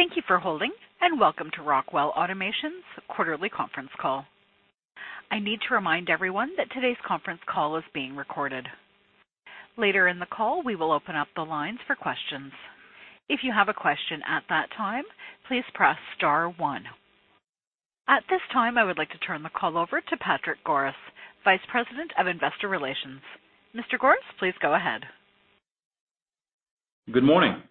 Thank you for holding, welcome to Rockwell Automation's quarterly conference call. I need to remind everyone that today's conference call is being recorded. Later in the call, we will open up the lines for questions. If you have a question at that time, please press star one. At this time, I would like to turn the call over to Patrick Goris, Vice President of Investor Relations. Mr. Goris, please go ahead. Good morning,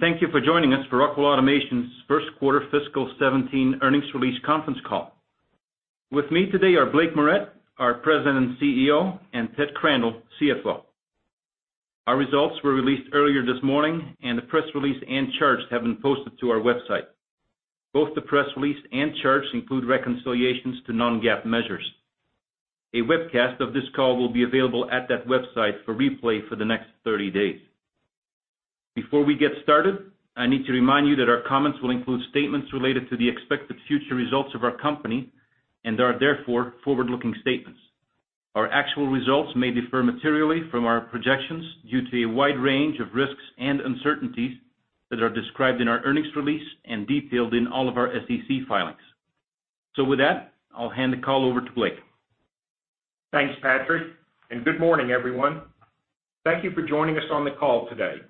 thank you for joining us for Rockwell Automation's first quarter fiscal 2017 earnings release conference call. With me today are Blake Moret, our President and CEO, and Ted Crandall, CFO. Our results were released earlier this morning, the press release and charts have been posted to our website. Both the press release and charts include reconciliations to non-GAAP measures. A webcast of this call will be available at that website for replay for the next 30 days. Before we get started, I need to remind you that our comments will include statements related to the expected future results of our company and are therefore forward-looking statements. Our actual results may differ materially from our projections due to a wide range of risks and uncertainties that are described in our earnings release and detailed in all of our SEC filings. With that, I'll hand the call over to Blake. Thanks, Patrick, good morning, everyone. Thank you for joining us on the call today.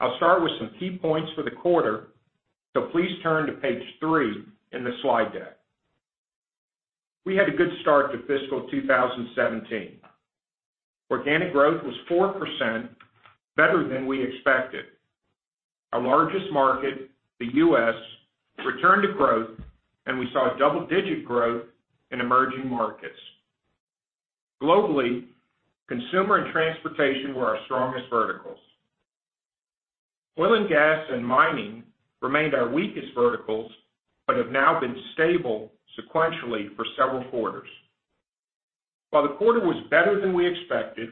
I'll start with some key points for the quarter, please turn to page three in the slide deck. We had a good start to fiscal 2017. Organic growth was 4% better than we expected. Our largest market, the U.S., returned to growth, we saw double-digit growth in emerging markets. Globally, consumer and transportation were our strongest verticals. Oil and gas and mining remained our weakest verticals but have now been stable sequentially for several quarters. While the quarter was better than we expected,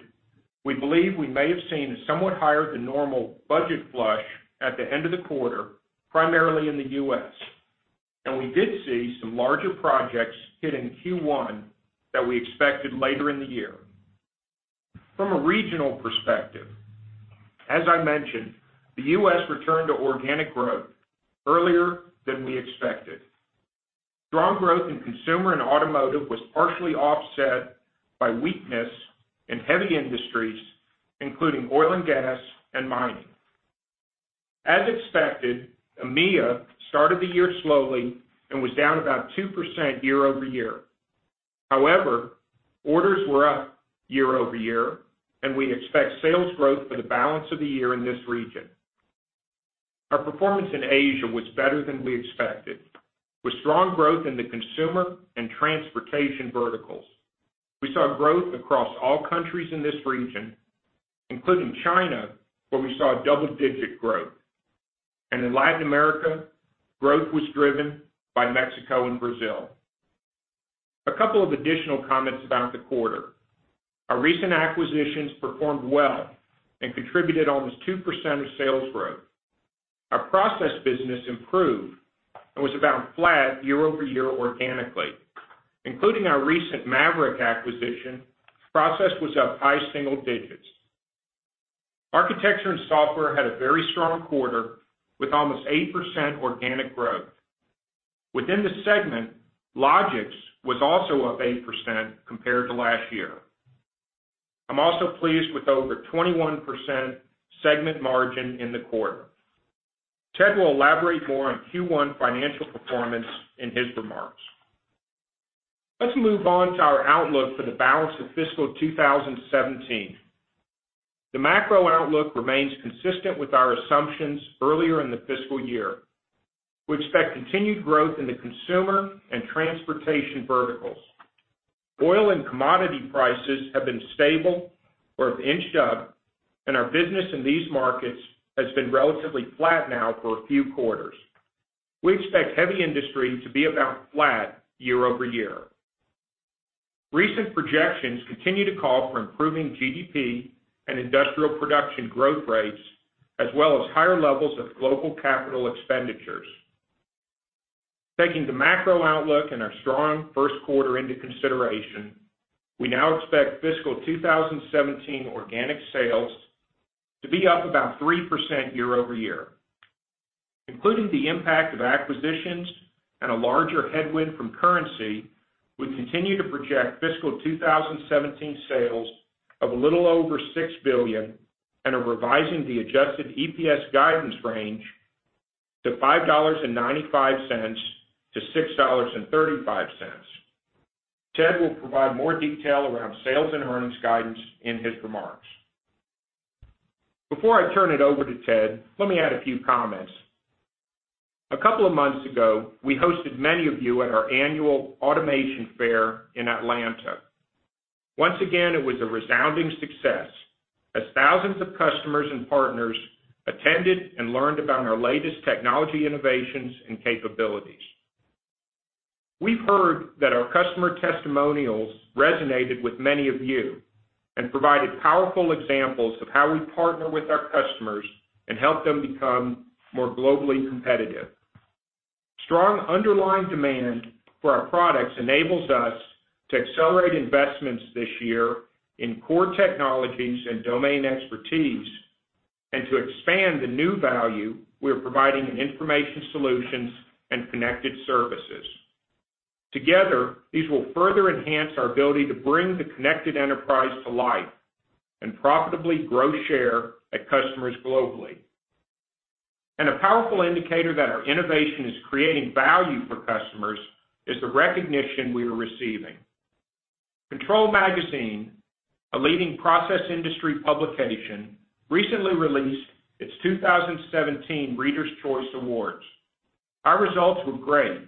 we believe we may have seen a somewhat higher-than-normal budget flush at the end of the quarter, primarily in the U.S., we did see some larger projects hit in Q1 that we expected later in the year. From a regional perspective, as I mentioned, the U.S. returned to organic growth earlier than we expected. Strong growth in consumer and automotive was partially offset by weakness in heavy industries, including oil and gas and mining. As expected, EMEA started the year slowly and was down about 2% year-over-year. However, orders were up year-over-year, and we expect sales growth for the balance of the year in this region. Our performance in Asia was better than we expected, with strong growth in the consumer and transportation verticals. We saw growth across all countries in this region, including China, where we saw double-digit growth. In Latin America, growth was driven by Mexico and Brazil. A couple of additional comments about the quarter. Our recent acquisitions performed well and contributed almost 2% of sales growth. Our process business improved and was about flat year-over-year organically. Including our recent MAVERICK acquisition, process was up high single digits. Architecture & Software had a very strong quarter, with almost 8% organic growth. Within the segment, Logix was also up 8% compared to last year. I'm also pleased with over 21% segment margin in the quarter. Ted will elaborate more on Q1 financial performance in his remarks. Let's move on to our outlook for the balance of fiscal 2017. The macro outlook remains consistent with our assumptions earlier in the fiscal year. We expect continued growth in the consumer and transportation verticals. Oil and commodity prices have been stable or have inched up, and our business in these markets has been relatively flat now for a few quarters. We expect heavy industry to be about flat year-over-year. Recent projections continue to call for improving GDP and industrial production growth rates, as well as higher levels of global capital expenditures. Taking the macro outlook and our strong first quarter into consideration, we now expect fiscal 2017 organic sales to be up about 3% year-over-year. Including the impact of acquisitions and a larger headwind from currency, we continue to project fiscal 2017 sales of a little over $6 billion and are revising the adjusted EPS guidance range to $5.95-$6.35. Ted will provide more detail around sales and earnings guidance in his remarks. Before I turn it over to Ted, let me add a few comments. A couple of months ago, we hosted many of you at our annual Automation Fair in Atlanta. Once again, it was a resounding success, as thousands of customers and partners attended and learned about our latest technology innovations and capabilities. We've heard that our customer testimonials resonated with many of you and provided powerful examples of how we partner with our customers and help them become more globally competitive. Strong underlying demand for our products enables us to accelerate investments this year in core technologies and domain expertise, and to expand the new value we're providing in information solutions and connected services. Together, these will further enhance our ability to bring the Connected Enterprise to life and profitably grow share at customers globally. A powerful indicator that our innovation is creating value for customers is the recognition we are receiving. Control magazine, a leading process industry publication, recently released its 2017 Readers' Choice Awards. Our results were great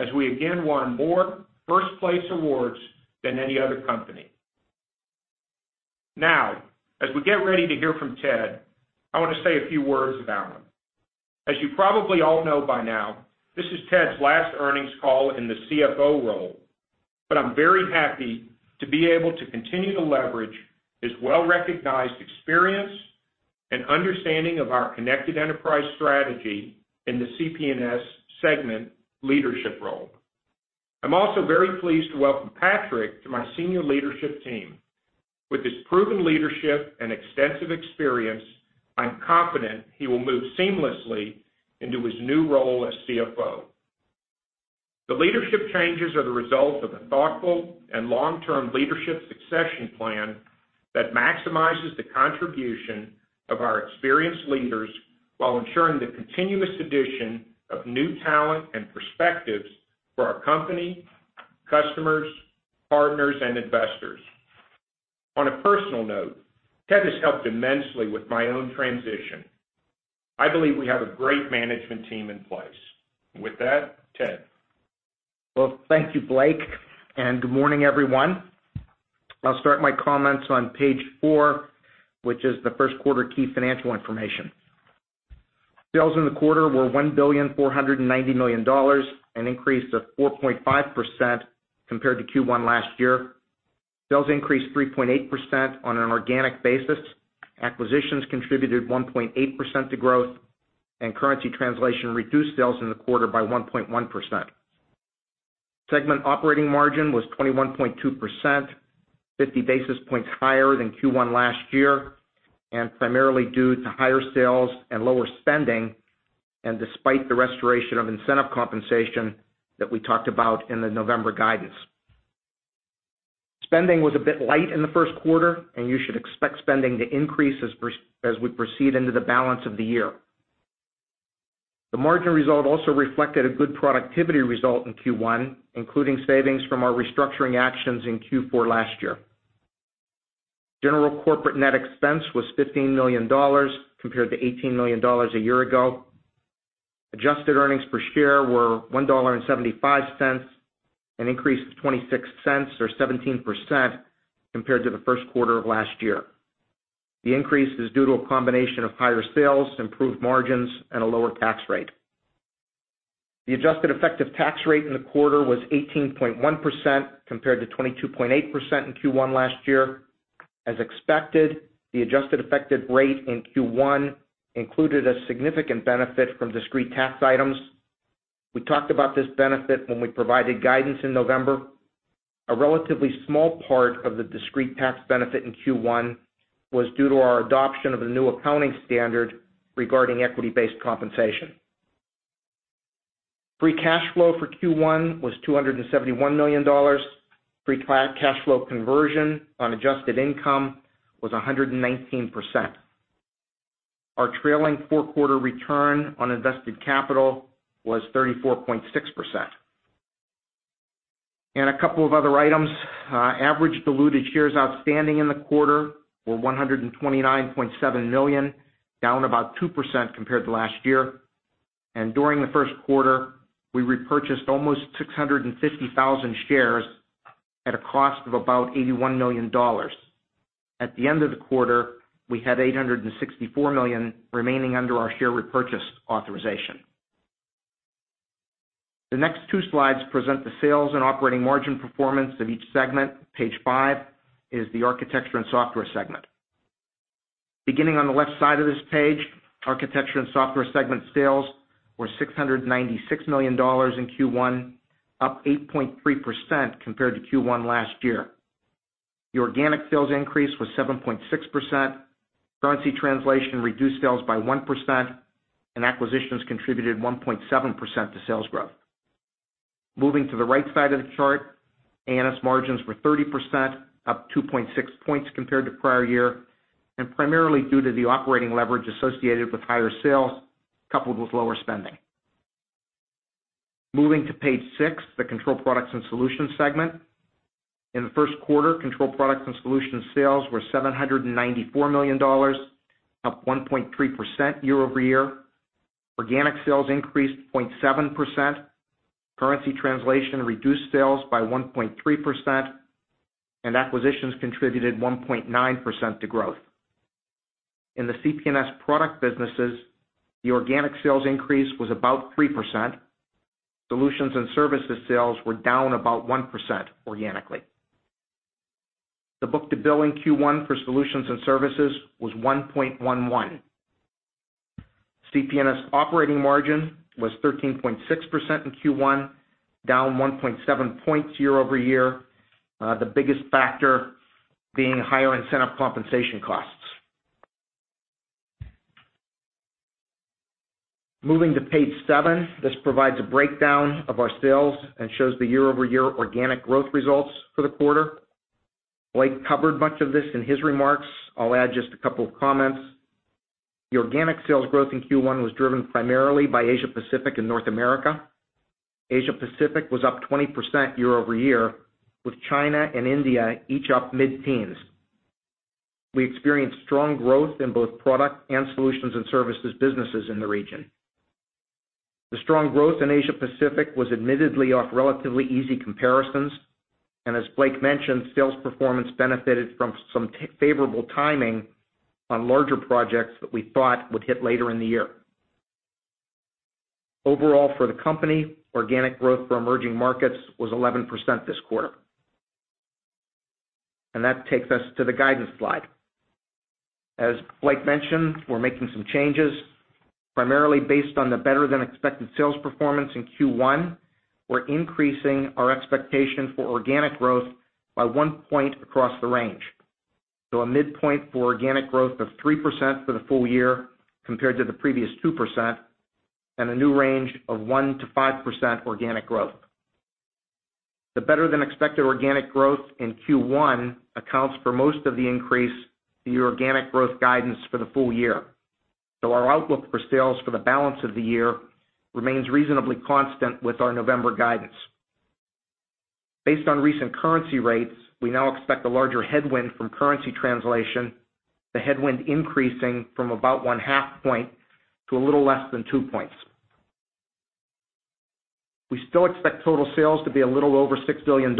as we again won more first place awards than any other company. Now, as we get ready to hear from Ted, I want to say a few words about him. As you probably all know by now, this is Ted's last earnings call in the CFO role, but I'm very happy to be able to continue to leverage his well-recognized experience and understanding of our Connected Enterprise strategy in the CP&S segment leadership role. I'm also very pleased to welcome Patrick to my senior leadership team. With his proven leadership and extensive experience, I'm confident he will move seamlessly into his new role as CFO. The leadership changes are the result of a thoughtful and long-term leadership succession plan that maximizes the contribution of our experienced leaders while ensuring the continuous addition of new talent and perspectives for our company, customers, partners, and investors. On a personal note, Ted has helped immensely with my own transition. I believe we have a great management team in place. With that, Ted. Thank you, Blake, and good morning, everyone. I'll start my comments on page four, which is the first quarter key financial information. Sales in the quarter were $1,490,000,000, an increase of 4.5% compared to Q1 last year. Sales increased 3.8% on an organic basis. Acquisitions contributed 1.8% to growth, and currency translation reduced sales in the quarter by 1.1%. Segment operating margin was 21.2%, 50 basis points higher than Q1 last year, and primarily due to higher sales and lower spending, and despite the restoration of incentive compensation that we talked about in the November guidance. Spending was a bit light in the first quarter, and you should expect spending to increase as we proceed into the balance of the year. The margin result also reflected a good productivity result in Q1, including savings from our restructuring actions in Q4 last year. General corporate net expense was $15 million compared to $18 million a year ago. Adjusted earnings per share were $1.75, an increase of $0.26 or 17% compared to the first quarter of last year. The increase is due to a combination of higher sales, improved margins, and a lower tax rate. The adjusted effective tax rate in the quarter was 18.1% compared to 22.8% in Q1 last year. As expected, the adjusted effective rate in Q1 included a significant benefit from discrete tax items. We talked about this benefit when we provided guidance in November. A relatively small part of the discrete tax benefit in Q1 was due to our adoption of a new accounting standard regarding equity-based compensation. Free cash flow for Q1 was $271 million. Free cash flow conversion on adjusted income was 119%. Our trailing four-quarter return on invested capital was 34.6%. A couple of other items. Average diluted shares outstanding in the quarter were 129.7 million, down about 2% compared to last year. During the first quarter, we repurchased almost 650,000 shares at a cost of about $81 million. At the end of the quarter, we had 864 million remaining under our share repurchase authorization. The next two slides present the sales and operating margin performance of each segment. Page five is the Architecture & Software segment. Beginning on the left side of this page, Architecture & Software segment sales were $696 million in Q1, up 8.3% compared to Q1 last year. The organic sales increase was 7.6%. Currency translation reduced sales by 1%, and acquisitions contributed 1.7% to sales growth. Moving to the right side of the chart, A&S margins were 30%, up 2.6 points compared to prior year. Primarily due to the operating leverage associated with higher sales, coupled with lower spending. Moving to page six, the Control Products & Solutions segment. In the first quarter, Control Products & Solutions sales were $794 million, up 1.3% year-over-year. Organic sales increased 0.7%. Currency translation reduced sales by 1.3%. Acquisitions contributed 1.9% to growth. In the CP&S product businesses, the organic sales increase was about 3%. Solutions and services sales were down about 1% organically. The book-to-bill Q1 for solutions and services was 1.11. CP&S operating margin was 13.6% in Q1, down 1.7 points year-over-year, the biggest factor being higher incentive compensation costs. Moving to page seven, this provides a breakdown of our sales and shows the year-over-year organic growth results for the quarter. Blake covered much of this in his remarks. I'll add just a couple of comments. The organic sales growth in Q1 was driven primarily by Asia Pacific and North America. Asia Pacific was up 20% year-over-year, with China and India each up mid-teens. We experienced strong growth in both product and solutions and services businesses in the region. The strong growth in Asia Pacific was admittedly off relatively easy comparisons. As Blake mentioned, sales performance benefited from some favorable timing on larger projects that we thought would hit later in the year. Overall, for the company, organic growth for emerging markets was 11% this quarter. That takes us to the guidance slide. As Blake mentioned, we're making some changes, primarily based on the better-than-expected sales performance in Q1. We're increasing our expectation for organic growth by one point across the range. A midpoint for organic growth of 3% for the full year compared to the previous 2%, and a new range of 1%-5% organic growth. The better-than-expected organic growth in Q1 accounts for most of the increase in the organic growth guidance for the full year. Our outlook for sales for the balance of the year remains reasonably constant with our November guidance. Based on recent currency rates, we now expect a larger headwind from currency translation, the headwind increasing from about one-half point to a little less than two points. We still expect total sales to be a little over $6 billion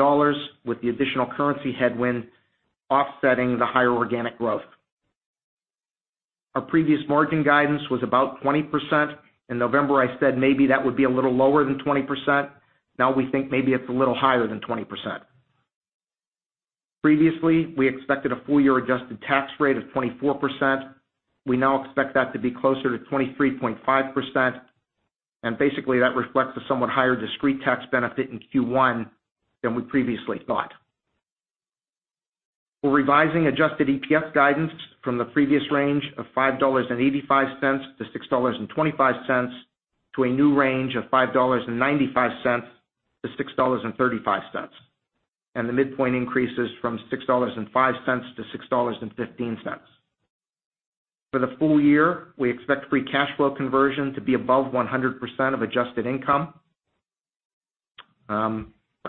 with the additional currency headwind offsetting the higher organic growth. Our previous margin guidance was about 20%. In November, I said maybe that would be a little lower than 20%. Now we think maybe it's a little higher than 20%. Previously, we expected a full-year adjusted tax rate of 24%. We now expect that to be closer to 23.5%. Basically that reflects a somewhat higher discrete tax benefit in Q1 than we previously thought. We're revising adjusted EPS guidance from the previous range of $5.85-$6.25, to a new range of $5.95-$6.35. The midpoint increases from $6.05-$6.15. For the full year, we expect free cash flow conversion to be above 100% of adjusted income. A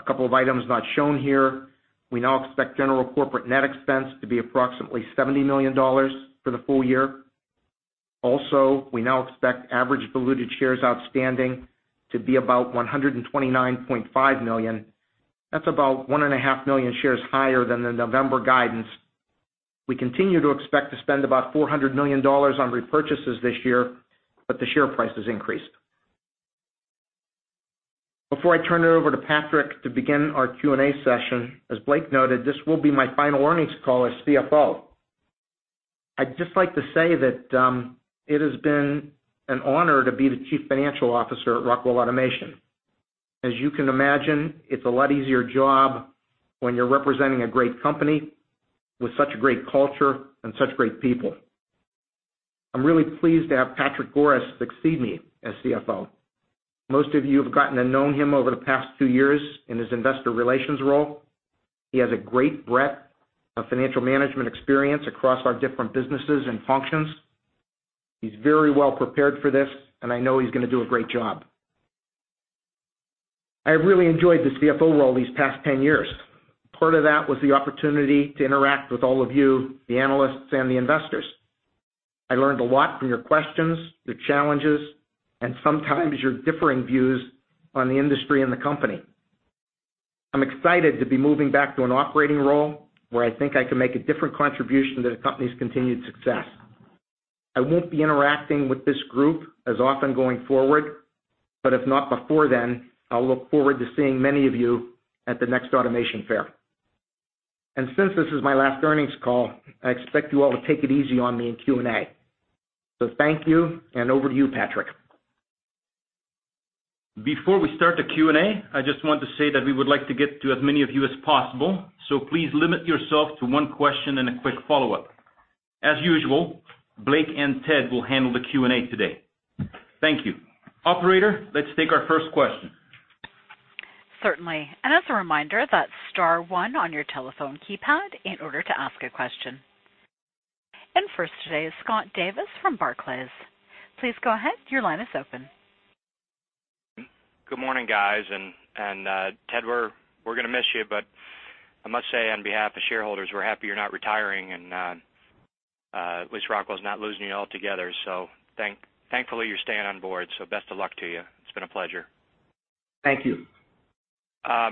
couple of items not shown here. We now expect general corporate net expense to be approximately $70 million for the full year. Also, we now expect average diluted shares outstanding to be about 129.5 million. That's about one and a half million shares higher than the November guidance. We continue to expect to spend about $400 million on repurchases this year. The share price has increased. Before I turn it over to Patrick to begin our Q&A session, as Blake noted, this will be my final earnings call as CFO. I'd just like to say that it has been an honor to be the Chief Financial Officer at Rockwell Automation. As you can imagine, it's a lot easier job when you're representing a great company with such a great culture and such great people. I'm really pleased to have Patrick Goris succeed me as CFO. Most of you have gotten to know him over the past two years in his investor relations role. He has a great breadth of financial management experience across our different businesses and functions. He's very well prepared for this, and I know he's going to do a great job. I have really enjoyed this CFO role these past 10 years. Part of that was the opportunity to interact with all of you, the analysts and the investors. I learned a lot from your questions, your challenges, and sometimes your differing views on the industry and the company. I'm excited to be moving back to an operating role where I think I can make a different contribution to the company's continued success. I won't be interacting with this group as often going forward, but if not before then, I'll look forward to seeing many of you at the next Automation Fair. Since this is my last earnings call, I expect you all to take it easy on me in Q&A. Thank you, and over to you, Patrick. Before we start the Q&A, I just want to say that we would like to get to as many of you as possible, so please limit yourself to one question and a quick follow-up. As usual, Blake and Ted will handle the Q&A today. Thank you. Operator, let's take our first question. Certainly. As a reminder, that's star one on your telephone keypad in order to ask a question. First today is Scott Davis from Barclays. Please go ahead, your line is open. Good morning, guys. Ted, we're going to miss you, but I must say on behalf of shareholders, we're happy you're not retiring, and at least Rockwell is not losing you altogether. Thankfully you're staying on board, best of luck to you. It's been a pleasure. Thank you. I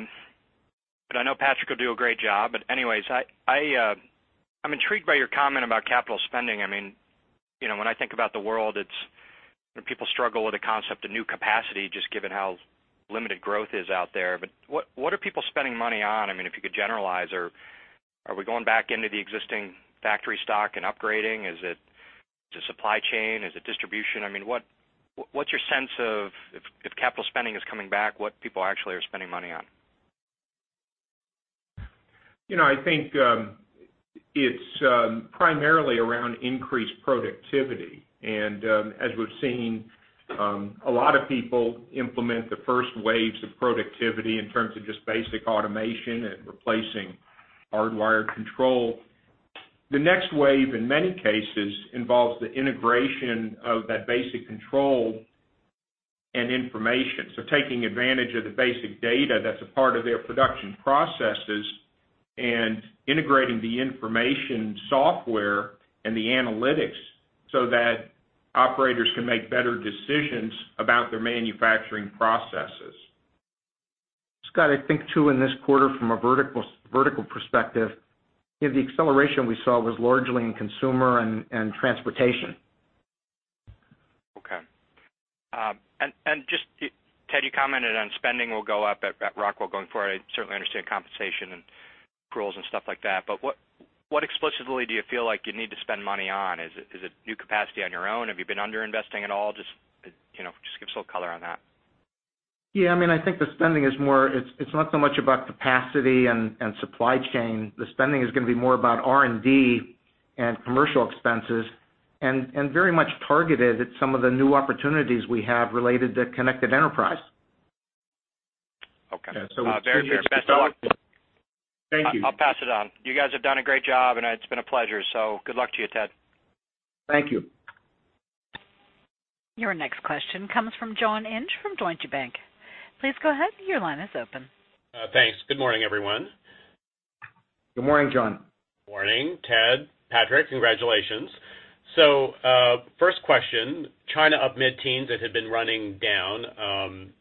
know Patrick will do a great job. Anyways, I'm intrigued by your comment about capital spending. When I think about the world, people struggle with the concept of new capacity, just given how limited growth is out there. What are people spending money on? If you could generalize, or are we going back into the existing factory stock and upgrading? Is it the supply chain? Is it distribution? What's your sense of, if capital spending is coming back, what people actually are spending money on? I think it's primarily around increased productivity. As we've seen, a lot of people implement the first waves of productivity in terms of just basic automation and replacing hardwired control. The next wave, in many cases, involves the integration of that basic control and information. Taking advantage of the basic data that's a part of their production processes and integrating the information software and the analytics so that operators can make better decisions about their manufacturing processes. Scott, I think too, in this quarter, from a vertical perspective, the acceleration we saw was largely in consumer and transportation. Okay. Ted, you commented on spending will go up at Rockwell going forward. I certainly understand compensation and rules and stuff like that, what explicitly do you feel like you need to spend money on? Is it new capacity on your own? Have you been under-investing at all? Just give us a little color on that. Yeah, I think the spending is more, it's not so much about capacity and supply chain. The spending is going to be more about R&D and commercial expenses and very much targeted at some of the new opportunities we have related to Connected Enterprise. Okay. We've seen this. Very fair. Best of luck. Thank you. I'll pass it on. You guys have done a great job, and it's been a pleasure, so good luck to you, Ted. Thank you. Your next question comes from John Inch from Deutsche Bank. Please go ahead, your line is open. Thanks. Good morning, everyone. Good morning, John. Morning, Ted. Patrick, congratulations. First question, China up mid-teens. It had been running down.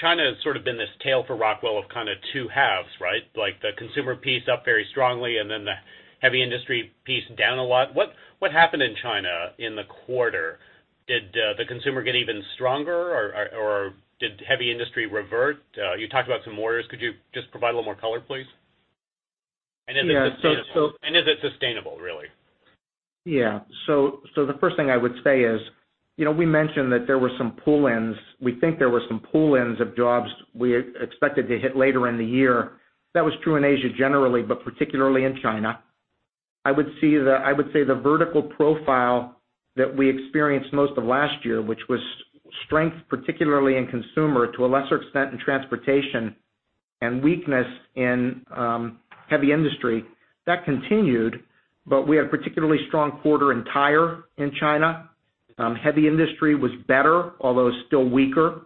China has sort of been this tale for Rockwell of kind of two halves, right? Like the consumer piece up very strongly and then the heavy industry piece down a lot. What happened in China in the quarter? Did the consumer get even stronger, or did heavy industry revert? You talked about some worries. Could you just provide a little more color, please? Yeah. Is it sustainable, really? Yeah. The first thing I would say is, we mentioned that there were some pull-ins. We think there were some pull-ins of jobs we expected to hit later in the year. That was true in Asia generally, but particularly in China. I would say the vertical profile that we experienced most of last year, which was strength, particularly in consumer, to a lesser extent in transportation, and weakness in heavy industry, that continued, but we had a particularly strong quarter in tire in China. Heavy industry was better, although still weaker.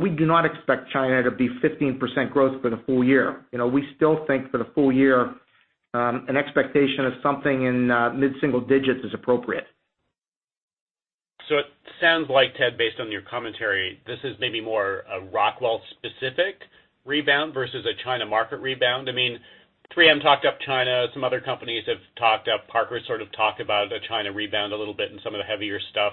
We do not expect China to be 15% growth for the full year. We still think for the full year, an expectation of something in mid-single digits is appropriate. It sounds like, Ted, based on your commentary, this is maybe more a Rockwell-specific rebound versus a China market rebound. 3M talked up China, some other companies have talked up, Parker sort of talked about a China rebound a little bit and some of the heavier stuff.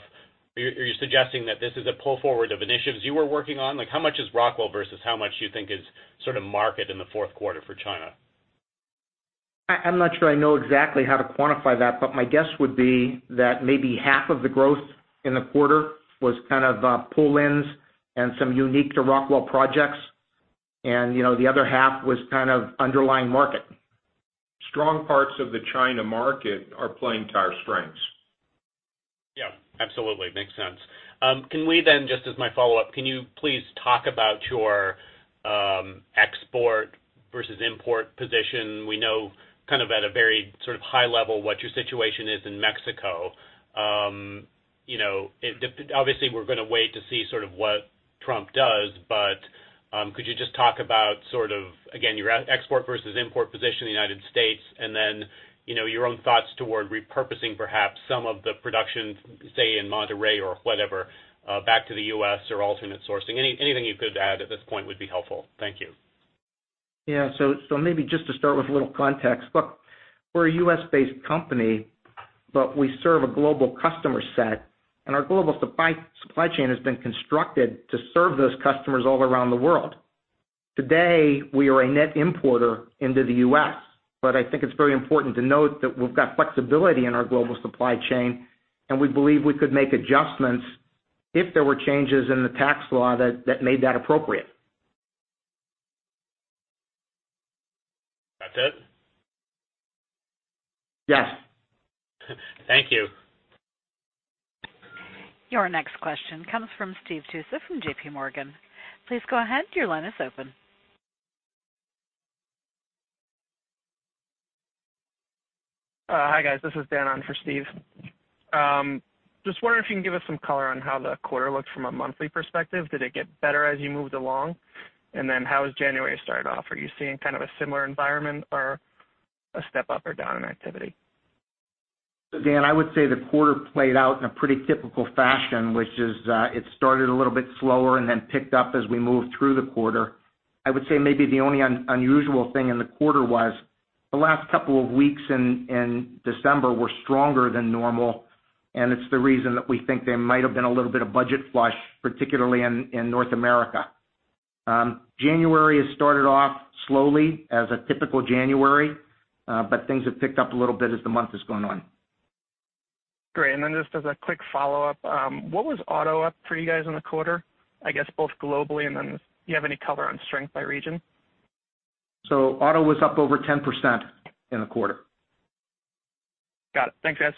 Are you suggesting that this is a pull forward of initiatives you were working on? How much is Rockwell versus how much do you think is sort of market in the fourth quarter for China? I'm not sure I know exactly how to quantify that, but my guess would be that maybe half of the growth in the quarter was kind of pull-ins and some unique to Rockwell projects, and the other half was kind of underlying market. Strong parts of the China market are playing to our strengths. Yeah, absolutely. Makes sense. Can we then, just as my follow-up, can you please talk about your export versus import position? We know kind of at a very sort of high level what your situation is in Mexico. Obviously, we're going to wait to see sort of what Trump does, but could you just talk about sort of, again, your export versus import position in the U.S. and then your own thoughts toward repurposing perhaps some of the production, say, in Monterrey or whatever, back to the U.S. or alternate sourcing? Anything you could add at this point would be helpful. Thank you. Yeah. Maybe just to start with a little context. Look, we're a U.S.-based company, but we serve a global customer set, and our global supply chain has been constructed to serve those customers all around the world. Today, we are a net importer into the U.S., but I think it's very important to note that we've got flexibility in our global supply chain, and we believe we could make adjustments if there were changes in the tax law that made that appropriate. That's it? Yes. Thank you. Your next question comes from Steve Tusa from JP Morgan. Please go ahead, your line is open. Hi, guys. This is Dan on for Steve. Wondering if you can give us some color on how the quarter looked from a monthly perspective. Did it get better as you moved along? How has January started off? Are you seeing kind of a similar environment or a step up or down in activity? Dan, I would say the quarter played out in a pretty typical fashion, which is it started a little bit slower and then picked up as we moved through the quarter. I would say maybe the only unusual thing in the quarter was the last couple of weeks in December were stronger than normal, and it's the reason that we think there might have been a little bit of budget flush, particularly in North America. January has started off slowly as a typical January, but things have picked up a little bit as the month is going on. Then just as a quick follow-up, what was auto up for you guys in the quarter? I guess both globally then do you have any color on strength by region? Auto was up over 10% in the quarter. Got it. Thanks, guys.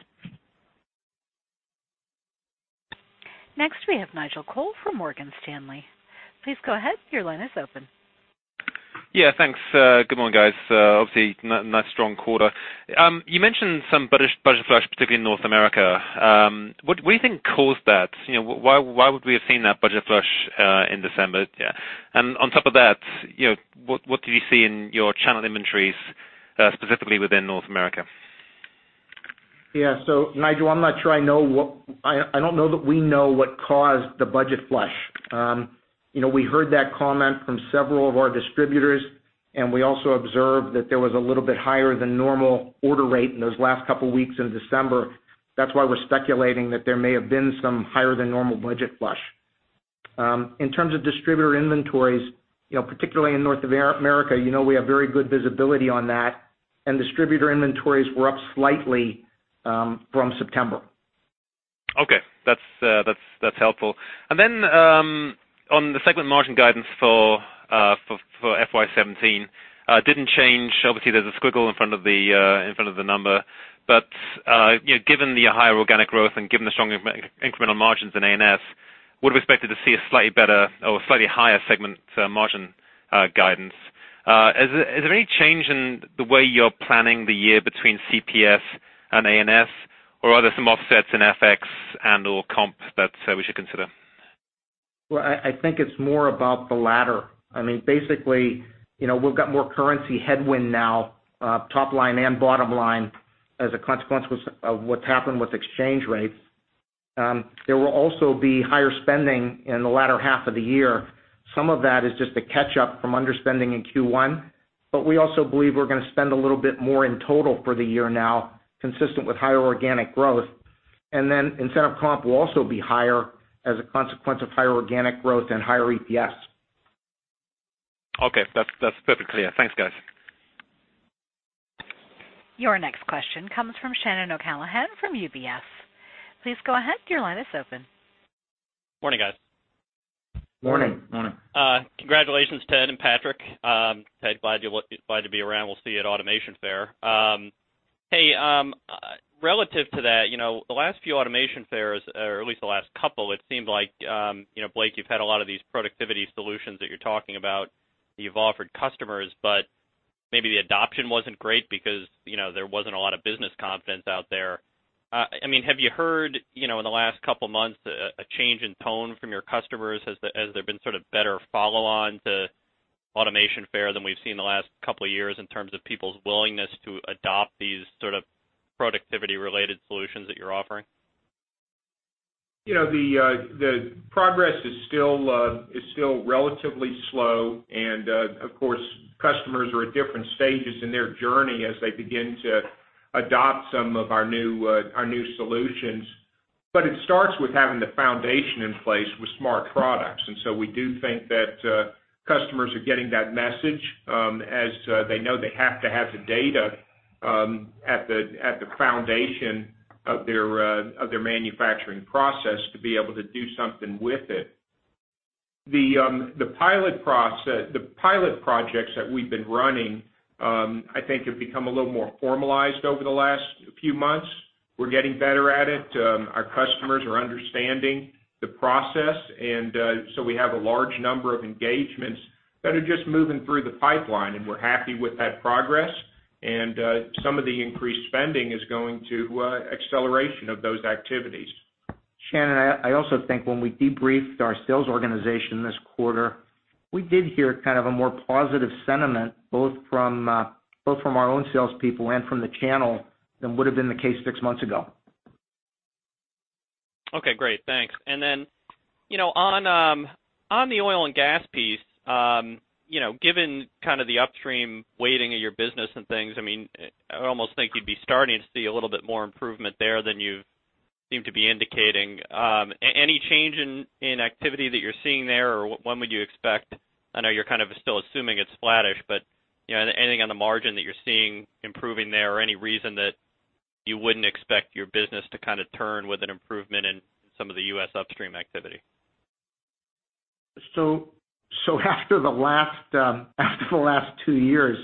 Next we have Nigel Coe from Morgan Stanley. Please go ahead. Your line is open. Yeah, thanks. Good morning, guys. Obviously, nice strong quarter. You mentioned some budget flush, particularly in North America. What do you think caused that? Why would we have seen that budget flush in December? And on top of that, what do you see in your channel inventories, specifically within North America? Yeah. Nigel, I don't know that we know what caused the budget flush. We heard that comment from several of our distributors, and we also observed that there was a little bit higher than normal order rate in those last couple of weeks in December. That's why we're speculating that there may have been some higher than normal budget flush. In terms of distributor inventories, particularly in North America, we have very good visibility on that, and distributor inventories were up slightly from September. Okay. That's helpful. Then, on the segment margin guidance for FY 2017, didn't change. Obviously, there's a squiggle in front of the number. Given the higher organic growth and given the stronger incremental margins in A&S, would have expected to see a slightly better or slightly higher segment margin guidance. Is there any change in the way you're planning the year between CPS and A&S or are there some offsets in FX and/or comp that we should consider? I think it's more about the latter. Basically, we've got more currency headwind now, top line and bottom line, as a consequence of what's happened with exchange rates. There will also be higher spending in the latter half of the year. Some of that is just a catch-up from underspending in Q1, but we also believe we're going to spend a little bit more in total for the year now, consistent with higher organic growth. Incentive comp will also be higher as a consequence of higher organic growth and higher EPS. Okay. That's perfectly clear. Thanks, guys. Your next question comes from Shannon O'Callaghan from UBS. Please go ahead. Your line is open. Morning, guys. Morning. Morning. Congratulations, Ted and Patrick. Ted, glad you'll be around. We'll see you at Automation Fair. Relative to that, the last few Automation Fairs, or at least the last couple, it seemed like Blake, you've had a lot of these productivity solutions that you're talking about that you've offered customers, but maybe the adoption wasn't great because there wasn't a lot of business confidence out there. Have you heard, in the last couple of months, a change in tone from your customers? Has there been sort of better follow-on to Automation Fair than we've seen in the last couple of years in terms of people's willingness to adopt these sort of productivity-related solutions that you're offering? The progress is still relatively slow, of course, customers are at different stages in their journey as they begin to adopt some of our new solutions. It starts with having the foundation in place with smart products. We do think that customers are getting that message, as they know they have to have the data at the foundation of their manufacturing process to be able to do something with it. The pilot projects that we've been running, I think have become a little more formalized over the last few months. We're getting better at it. Our customers are understanding the process, we have a large number of engagements that are just moving through the pipeline, and we're happy with that progress. Some of the increased spending is going to acceleration of those activities. Shannon, I also think when we debriefed our sales organization this quarter, we did hear kind of a more positive sentiment, both from our own salespeople and from the channel than would've been the case six months ago. Okay, great. Thanks. On the oil and gas piece, given kind of the upstream weighting of your business and things, I almost think you'd be starting to see a little bit more improvement there than you seem to be indicating. Any change in activity that you're seeing there, or when would you expect, I know you're kind of still assuming it's flattish, but anything on the margin that you're seeing improving there or any reason that you wouldn't expect your business to kind of turn with an improvement in some of the U.S. upstream activity? After the last two years,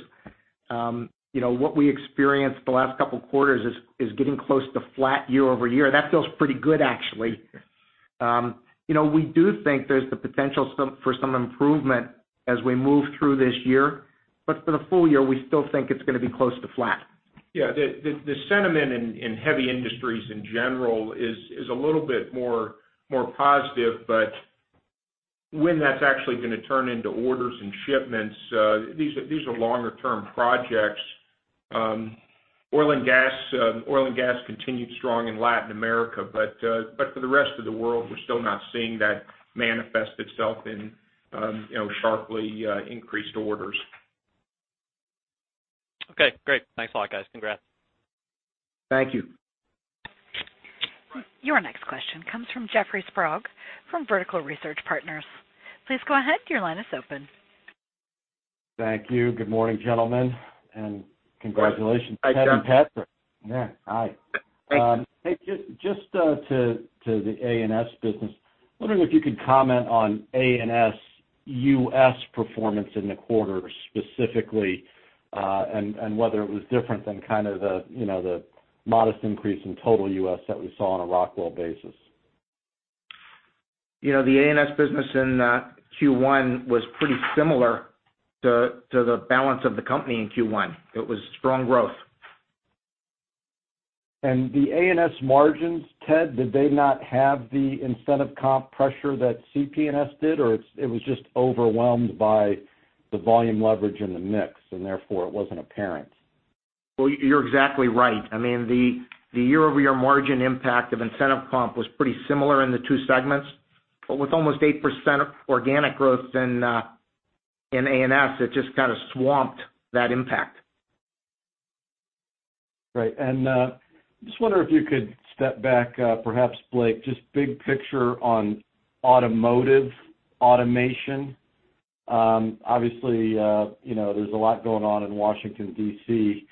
what we experienced the last couple of quarters is getting close to flat year-over-year. That feels pretty good, actually. We do think there's the potential for some improvement as we move through this year, but for the full year, we still think it's going to be close to flat. Yeah. The sentiment in heavy industries in general is a little bit more positive, but When that's actually going to turn into orders and shipments, these are longer-term projects. Oil and gas continued strong in Latin America, but for the rest of the world, we're still not seeing that manifest itself in sharply increased orders. Okay, great. Thanks a lot, guys. Congrats. Thank you. Your next question comes from Jeffrey Sprague from Vertical Research Partners. Please go ahead, your line is open. Thank you. Good morning, gentlemen, and congratulations- Good. Hi, Jeff Ted and Patrick. Yeah, hi. Thanks. Hey, just to the A&S business, wondering if you could comment on A&S U.S. performance in the quarter specifically, whether it was different than the modest increase in total U.S. that we saw on a Rockwell basis. The A&S business in Q1 was pretty similar to the balance of the company in Q1. It was strong growth. The A&S margins, Ted, did they not have the incentive comp pressure that CP&S did? It was just overwhelmed by the volume leverage in the mix, and therefore it wasn't apparent? Well, you're exactly right. The year-over-year margin impact of incentive comp was pretty similar in the two segments. With almost 8% organic growth in A&S, it just kind of swamped that impact. Right. Just wonder if you could step back perhaps, Blake, just big picture on automotive automation. Obviously, there's a lot going on in Washington, D.C.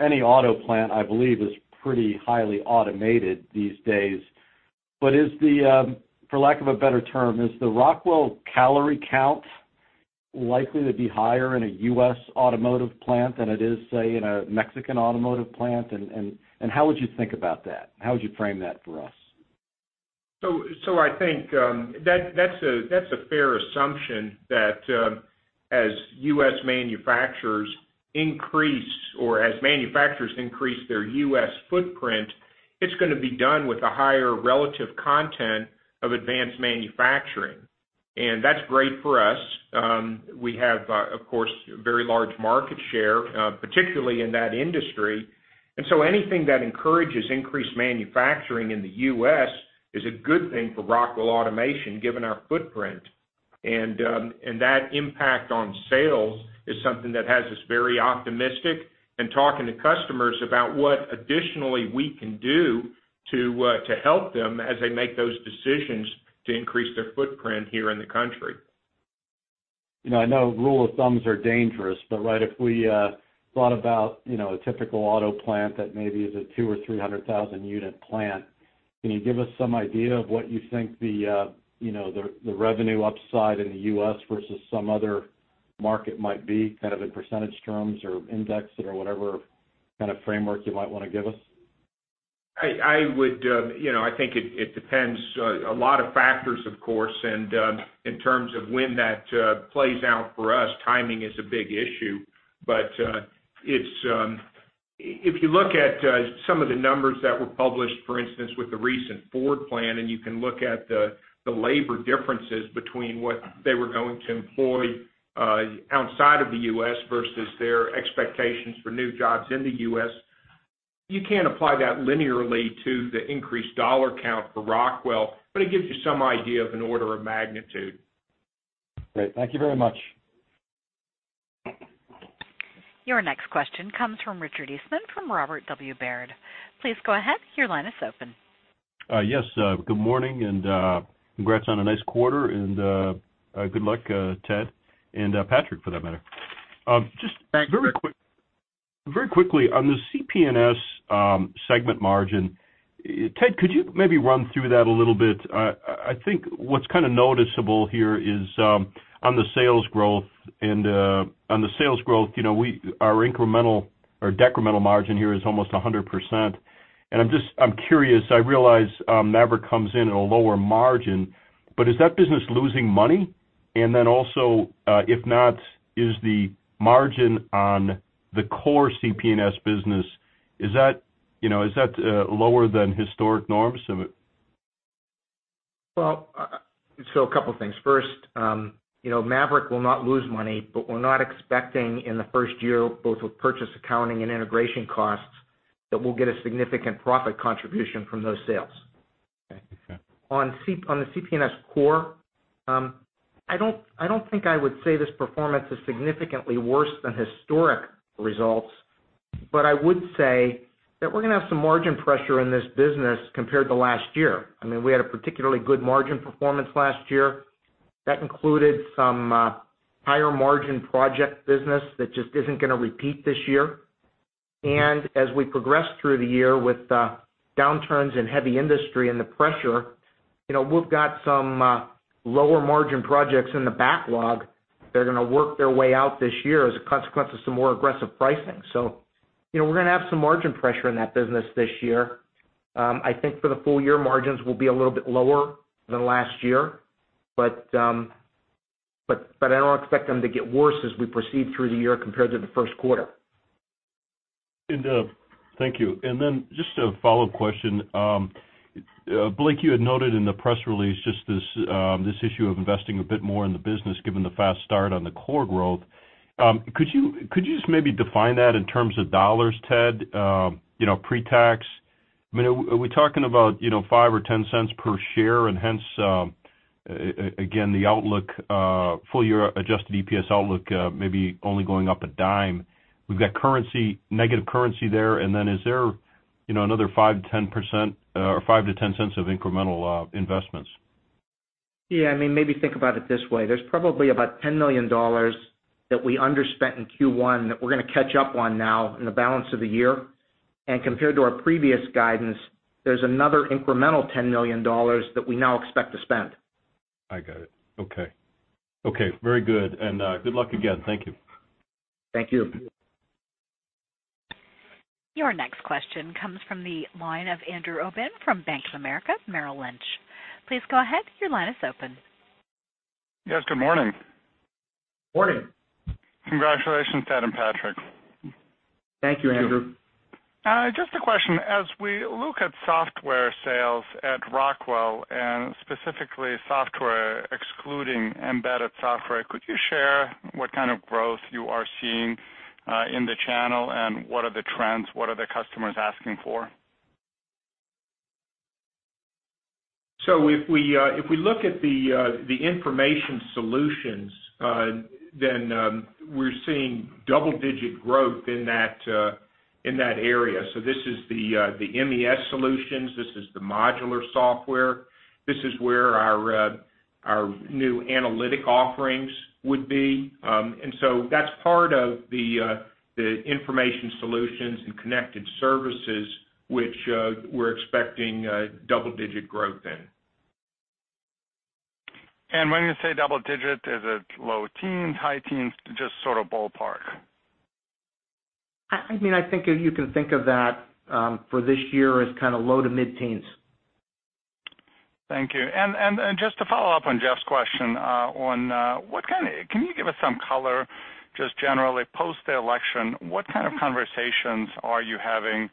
Any auto plant, I believe, is pretty highly automated these days. Is the, for lack of a better term, is the Rockwell calorie count likely to be higher in a U.S. automotive plant than it is, say, in a Mexican automotive plant? How would you think about that? How would you frame that for us? I think that's a fair assumption that as U.S. manufacturers increase, or as manufacturers increase their U.S. footprint, it's going to be done with a higher relative content of advanced manufacturing. That's great for us. We have, of course, very large market share, particularly in that industry. Anything that encourages increased manufacturing in the U.S. is a good thing for Rockwell Automation, given our footprint. That impact on sales is something that has us very optimistic and talking to customers about what additionally we can do to help them as they make those decisions to increase their footprint here in the country. I know rule of thumbs are dangerous, but if we thought about a typical auto plant that maybe is a 2 or 300,000-unit plant, can you give us some idea of what you think the revenue upside in the U.S. versus some other market might be in percentage terms or indexed or whatever kind of framework you might want to give us? I think it depends a lot of factors, of course, and in terms of when that plays out for us, timing is a big issue. If you look at some of the numbers that were published, for instance, with the recent Ford plan, and you can look at the labor differences between what they were going to employ outside of the U.S. versus their expectations for new jobs in the U.S., you can't apply that linearly to the increased dollar count for Rockwell, but it gives you some idea of an order of magnitude. Great. Thank you very much. Your next question comes from Richard Eastman from Robert W. Baird. Please go ahead, your line is open. Yes. Good morning, and congrats on a nice quarter, and good luck, Ted, and Patrick, for that matter. Thanks. Just very quickly on the CP&S segment margin, Ted, could you maybe run through that a little bit? I think what's kind of noticeable here is on the sales growth, our incremental or decremental margin here is almost 100%. I'm curious, I realize MAVERICK comes in at a lower margin, but is that business losing money? Then also, if not, is the margin on the core CP&S business, is that lower than historic norms? A couple things. First, MAVERICK will not lose money, but we're not expecting in the first year, both with purchase accounting and integration costs, that we'll get a significant profit contribution from those sales. Okay. On the CP&S core, I don't think I would say this performance is significantly worse than historic results, but I would say that we're going to have some margin pressure in this business compared to last year. We had a particularly good margin performance last year. That included some higher margin project business that just isn't going to repeat this year. As we progress through the year with downturns in heavy industry and the pressure, we've got some lower margin projects in the backlog that are going to work their way out this year as a consequence of some more aggressive pricing. We're going to have some margin pressure in that business this year. I think for the full year, margins will be a little bit lower than last year, but I don't expect them to get worse as we proceed through the year compared to the first quarter. Thank you. Just a follow-up question. Blake, you had noted in the press release just this issue of investing a bit more in the business, given the fast start on the core growth. Could you just maybe define that in terms of dollars, Ted? Pre-tax. Are we talking about $0.05 or $0.10 per share and hence, again, the full-year adjusted EPS outlook maybe only going up $0.10? We've got negative currency there, and then is there another $0.05-$0.10 of incremental investments? Yeah. Maybe think about it this way. There's probably about $10 million that we underspent in Q1 that we're going to catch up on now in the balance of the year. Compared to our previous guidance, there's another incremental $10 million that we now expect to spend. I got it. Okay. Very good. Good luck again. Thank you. Thank you. Your next question comes from the line of Andrew Obin from Bank of America Merrill Lynch. Please go ahead. Your line is open. Yes, good morning. Morning. Congratulations, Ted and Patrick. Thank you, Andrew. Just a question. As we look at software sales at Rockwell, and specifically software excluding embedded software, could you share what kind of growth you are seeing in the channel, and what are the trends? What are the customers asking for? If we look at the information solutions, then we're seeing double-digit growth in that area. This is the MES solutions. This is the modular software. This is where our new analytic offerings would be. That's part of the information solutions and connected services which we're expecting double-digit growth in. When you say double digit, is it low teens, high teens, just sort of ballpark? I think you can think of that for this year as kind of low to mid-teens. Thank you. Just to follow up on Jeff's question, can you give us some color, just generally post the election, what kind of conversations are you having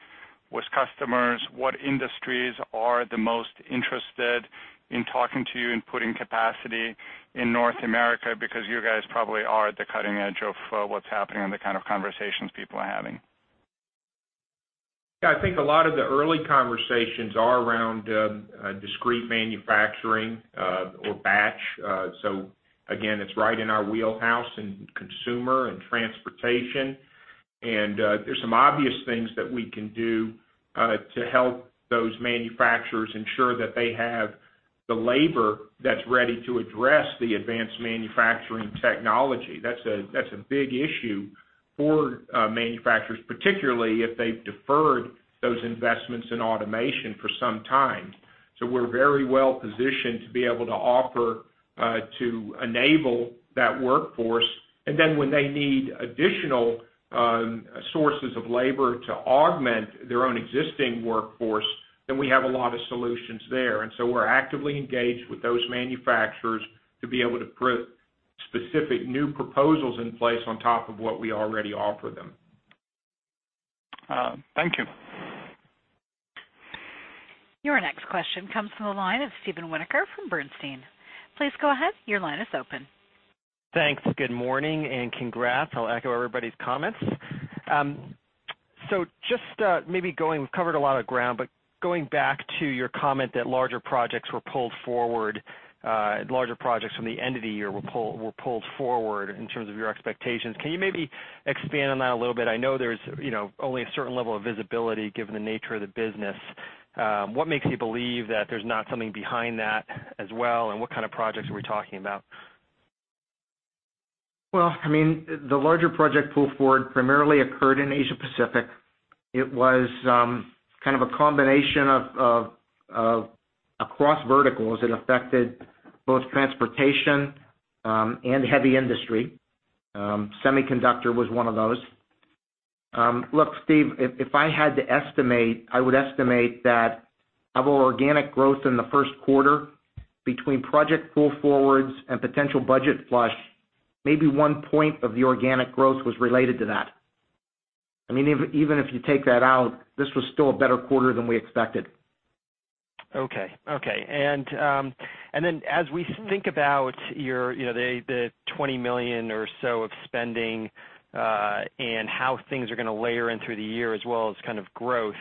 with customers? What industries are the most interested in talking to you and putting capacity in North America? You guys probably are at the cutting edge of what's happening and the kind of conversations people are having. Yeah, I think a lot of the early conversations are around discrete manufacturing or batch. Again, it's right in our wheelhouse in consumer and transportation. There's some obvious things that we can do to help those manufacturers ensure that they have the labor that's ready to address the advanced manufacturing technology. That's a big issue for manufacturers, particularly if they've deferred those investments in automation for some time. We're very well positioned to be able to offer to enable that workforce. When they need additional sources of labor to augment their own existing workforce, then we have a lot of solutions there. We're actively engaged with those manufacturers to be able to put specific new proposals in place on top of what we already offer them. Thank you. Your next question comes from the line of Steven Winoker from Bernstein. Please go ahead. Your line is open. Thanks. Good morning and congrats. I'll echo everybody's comments. Just maybe going, we've covered a lot of ground, but going back to your comment that larger projects were pulled forward, larger projects from the end of the year were pulled forward in terms of your expectations. Can you maybe expand on that a little bit? I know there's only a certain level of visibility given the nature of the business. What makes you believe that there's not something behind that as well, and what kind of projects are we talking about? Well, the larger project pull forward primarily occurred in Asia Pacific. It was kind of a combination of across verticals. It affected both transportation and heavy industry. Semiconductor was one of those. Look, Steve, if I had to estimate, I would estimate that of our organic growth in the first quarter, between project pull forwards and potential budget flush, maybe one point of the organic growth was related to that. Even if you take that out, this was still a better quarter than we expected. Okay. As we think about the $20 million or so of spending, and how things are going to layer in through the year as well as kind of growth.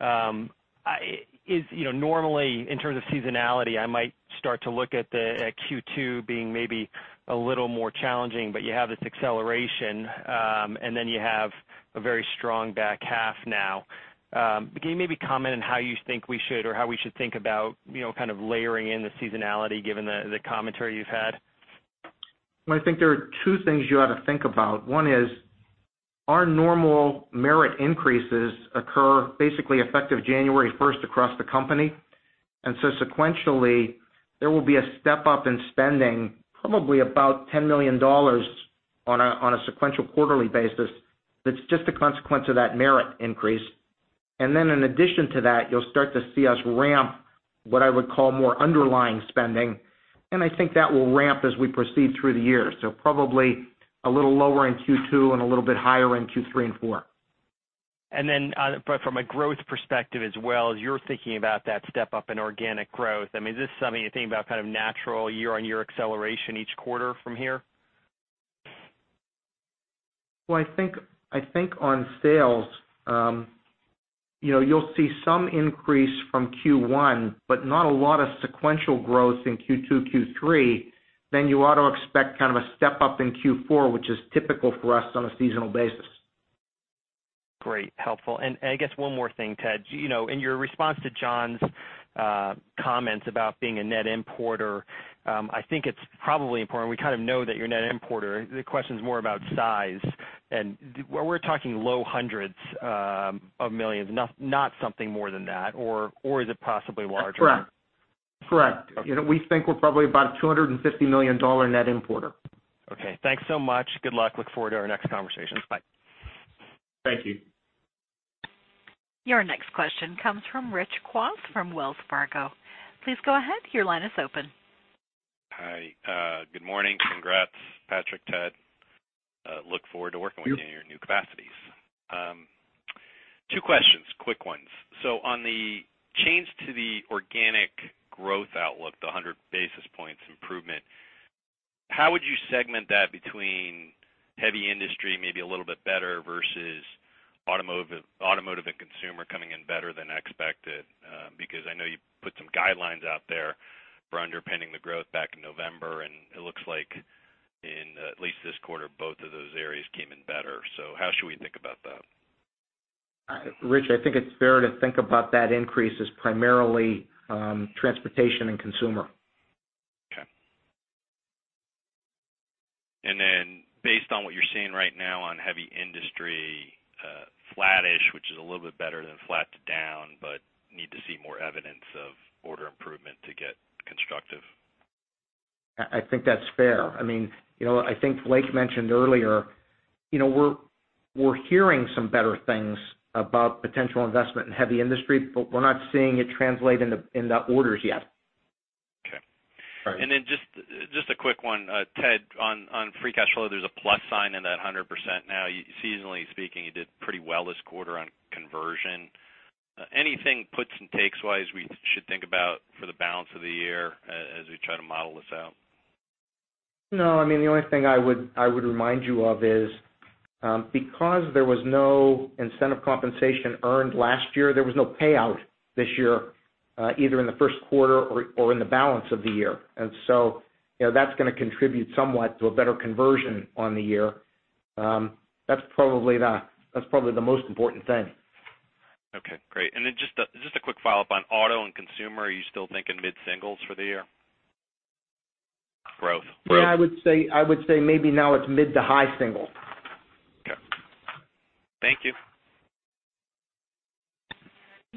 Normally, in terms of seasonality, I might start to look at Q2 being maybe a little more challenging, but you have this acceleration, and then you have a very strong back half now. Can you maybe comment on how you think we should or how we should think about kind of layering in the seasonality given the commentary you've had? I think there are two things you ought to think about. One is, our normal merit increases occur basically effective January 1st across the company. Sequentially, there will be a step-up in spending probably about $10 million on a sequential quarterly basis. That's just a consequence of that merit increase. In addition to that, you'll start to see us ramp what I would call more underlying spending, and I think that will ramp as we proceed through the year. Probably a little lower in Q2 and a little bit higher in Q3 and Q4. From a growth perspective as well, as you're thinking about that step up in organic growth, is this something you're thinking about kind of natural year-on-year acceleration each quarter from here? Well, I think on sales, you'll see some increase from Q1, but not a lot of sequential growth in Q2, Q3, then you ought to expect kind of a step up in Q4, which is typical for us on a seasonal basis. Great, helpful. I guess one more thing, Ted. In your response to John's comments about being a net importer, I think it's probably important. We kind of know that you're a net importer. The question is more about size and we're talking low hundreds of millions, not something more than that, or is it possibly larger? Correct. We think we're probably about a $250 million net importer. Okay, thanks so much. Good luck. Look forward to our next conversation. Bye. Thank you. Your next question comes from Rich Kwas from Wells Fargo. Please go ahead, your line is open. Hi, good morning. Congrats, Patrick, Ted. Look forward to working with you in your new capacities. Two questions, quick ones. On the change to the organic growth outlook, the 100 basis points improvement, how would you segment that between heavy industry, maybe a little bit better, versus automotive and consumer coming in better than expected? I know you put some guidelines out there for underpinning the growth back in November, and it looks like in at least this quarter, both of those areas came in better. How should we think about that? Rich, I think it's fair to think about that increase as primarily transportation and consumer. Okay. Based on what you're seeing right now on heavy industry, flattish, which is a little bit better than flat to down, but need to see more evidence of order improvement to get constructive. I think that's fair. I think Blake mentioned earlier, we're hearing some better things about potential investment in heavy industry, but we're not seeing it translate into orders yet. Okay. All right. Just a quick one, Ted, on free cash flow, there's a plus sign in that 100%. Now, seasonally speaking, you did pretty well this quarter on conversion. Anything puts and takes wise we should think about for the balance of the year as we try to model this out? No, the only thing I would remind you of is, because there was no incentive compensation earned last year, there was no payout this year, either in the first quarter or in the balance of the year. That's going to contribute somewhat to a better conversion on the year. That's probably the most important thing. Okay, great. Just a quick follow-up on auto and consumer. Are you still thinking mid-singles for the year growth? Yeah, I would say maybe now it's mid to high single. Okay. Thank you.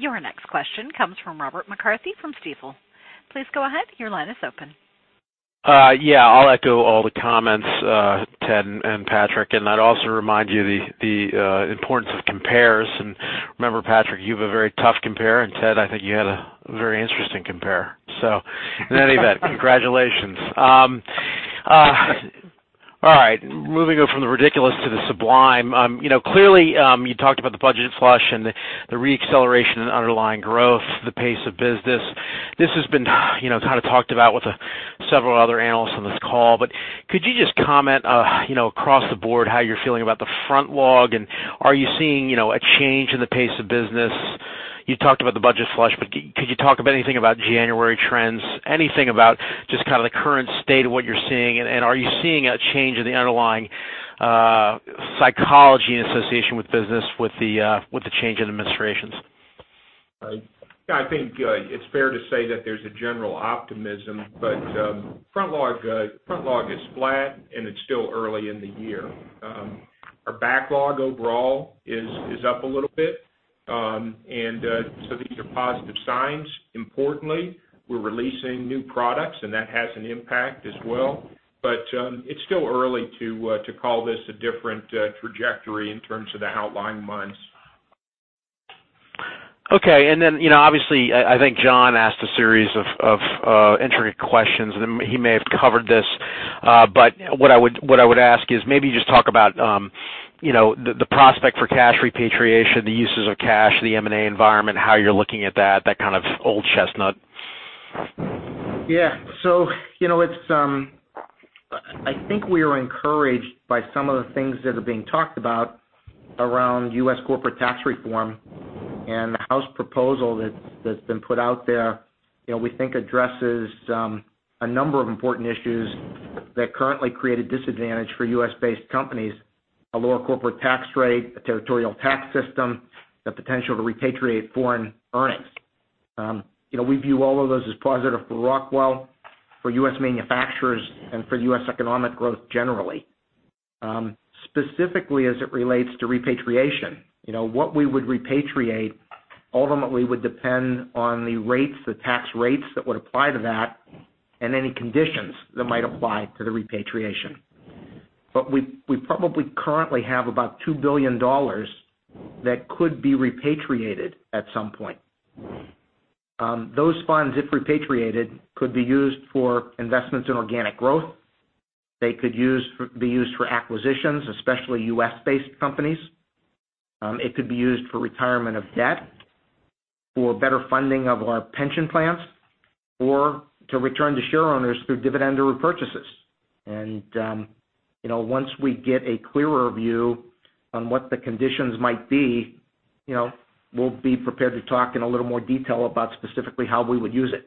Your next question comes from Robert McCarthy from Stifel. Please go ahead, your line is open. Yeah, I'll echo all the comments, Ted and Patrick. I'd also remind you the importance of compares. Remember, Patrick, you have a very tough compare, and Ted, I think you had a very interesting compare. In any event, congratulations. All right, moving on from the ridiculous to the sublime. Clearly, you talked about the budget flush and the re-acceleration and underlying growth, the pace of business. This has been kind of talked about with several other analysts on this call, but could you just comment, across the board, how you're feeling about the front log, and are you seeing a change in the pace of business? You talked about the budget flush, but could you talk about anything about January trends, anything about just kind of the current state of what you're seeing, and are you seeing a change in the underlying psychology and association with business with the change in administrations? I think it's fair to say that there's a general optimism, front log is flat, it's still early in the year. Our backlog overall is up a little bit, these are positive signs. Importantly, we're releasing new products, and that has an impact as well. It's still early to call this a different trajectory in terms of the outlying months. Okay, obviously, I think John asked a series of intricate questions, and he may have covered this. What I would ask is maybe just talk about the prospect for cash repatriation, the uses of cash, the M&A environment, how you're looking at that kind of old chestnut. I think we are encouraged by some of the things that are being talked about around U.S. corporate tax reform and the House proposal that's been put out there, we think addresses a number of important issues that currently create a disadvantage for U.S.-based companies: a lower corporate tax rate, a territorial tax system, the potential to repatriate foreign earnings. We view all of those as positive for Rockwell, for U.S. manufacturers, and for U.S. economic growth generally. Specifically as it relates to repatriation, what we would repatriate ultimately would depend on the rates, the tax rates that would apply to that and any conditions that might apply to the repatriation. We probably currently have about $2 billion that could be repatriated at some point. Those funds, if repatriated, could be used for investments in organic growth. They could be used for acquisitions, especially U.S.-based companies. It could be used for retirement of debt, for better funding of our pension plans, or to return to shareowners through dividend or repurchases. Once we get a clearer view on what the conditions might be, we'll be prepared to talk in a little more detail about specifically how we would use it.